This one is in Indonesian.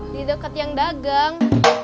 di dekat yang dagang